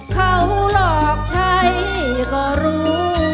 เขาหลอกใช้ก็รู้